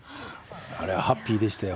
あれはハッピーでしたよ